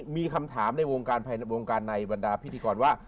มีคำถามในวงการในวัฒนาพิธีกรว่า